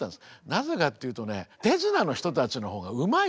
なぜかっていうとね手品の人たちの方がうまいですよね。